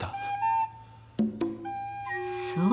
そう。